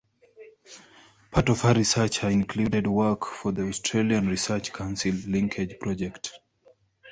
Part of her research here included work for the Australian Research Council Linkage project.